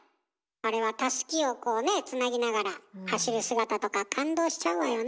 あれはたすきをこうねつなぎながら走る姿とか感動しちゃうわよね。